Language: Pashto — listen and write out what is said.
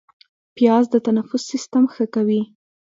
پیاز د تنفس سیستم ښه کوي